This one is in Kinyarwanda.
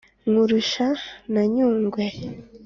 Nkurusha na Nyungwe